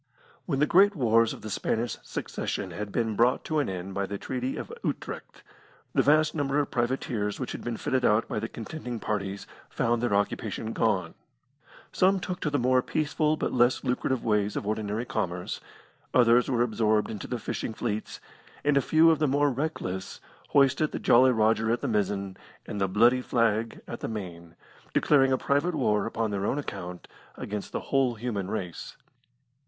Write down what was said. When the great wars of the Spanish Succession had been brought to an end by the Treaty of Utrecht, the vast number of privateers which had been fitted out by the contending parties found their occupation gone. Some took to the more peaceful but less lucrative ways of ordinary commerce, others were absorbed into the fishing fleets, and a few of the more reckless hoisted the Jolly Rodger at the mizzen, and the bloody flag at the main, declaring a private war upon their own account against the whole human race.